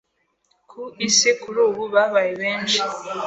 ku Isi kurubu babaye benshi